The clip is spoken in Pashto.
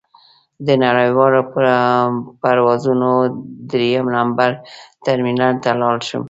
د نړیوالو پروازونو درېیم نمبر ټرمینل ته لاړ شم.